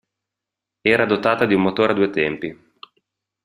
Era dotata di un motore a due tempi.